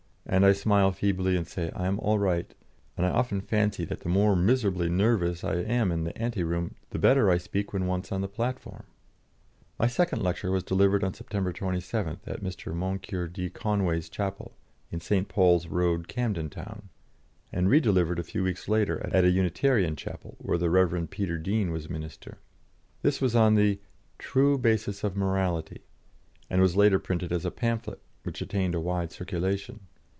And I smile feebly and say I am all right, and I often fancy that the more miserably nervous I am in the ante room, the better I speak when once on the platform. My second lecture was delivered on September 27th, at Mr. Moncure D. Conway's Chapel, in St. Paul's Road, Camden Town, and redelivered a few weeks later at a Unitarian Chapel, where the Rev. Peter Dean was minister. This was on the "True Basis of Morality," and was later printed as a pamphlet, which attained a wide circulation.